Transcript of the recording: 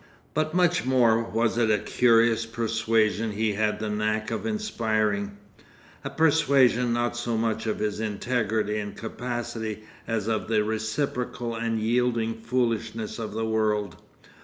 But much more was it a curious persuasion he had the knack of inspiring—a persuasion not so much of his integrity and capacity as of the reciprocal and yielding foolishness of the world.